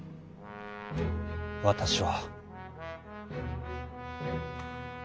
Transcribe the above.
私は。